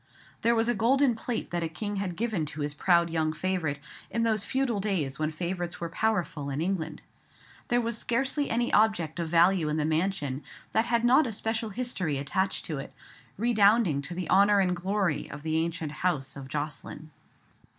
There was golden plate that a king had given to his proud young favourite in those feudal days when favourites were powerful in England. There was scarcely any object of value in the mansion that had not a special history attached to it, redounding to the honour and glory of the ancient house of Jocelyn.